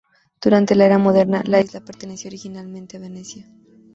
Durante la Era Moderna, la isla perteneció originalmente a Venecia.